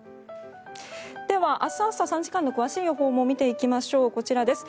では、明日朝３時間の詳しい予報も見ていきます。